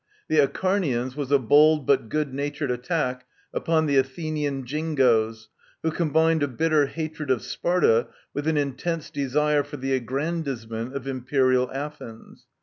"The Acharnians " was a bold but good natured attack upon the Athe nian " Jingoes," who combined a bitter hatred of Sparta with an Intense desire for the aggrandizement of " imperial " Athens.